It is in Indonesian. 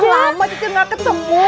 engga lama cici ga ketukmu